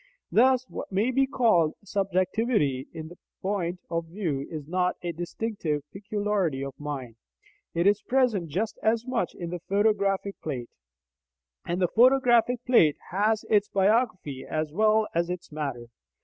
Thus what may be called subjectivity in the point of view is not a distinctive peculiarity of mind: it is present just as much in the photographic plate. And the photographic plate has its biography as well as its "matter."